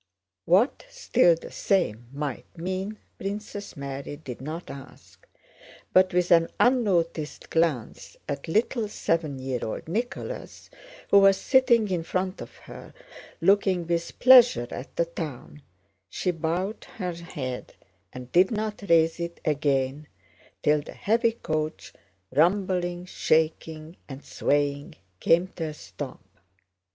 What "still the same" might mean Princess Mary did not ask, but with an unnoticed glance at little seven year old Nicholas, who was sitting in front of her looking with pleasure at the town, she bowed her head and did not raise it again till the heavy coach, rumbling, shaking and swaying, came to a stop.